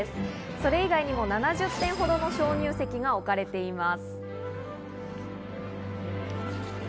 それ以外にも７０点ほどの鍾乳石が置かれています。